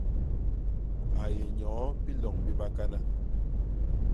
A yé nyoo biloñ bi bakana.